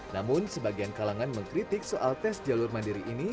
namun sebagian kalangan mengkritik soal tes jalur mandiri ini